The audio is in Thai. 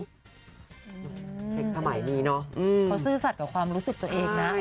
เทคศมัยดีน็อเขาซื่อสัดกับความรู้สึกตัวเองนะ